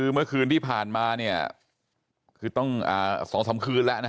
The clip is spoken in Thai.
เมื่อคืนที่ผ่านมาคือต้อง๒๓คืนแล้ว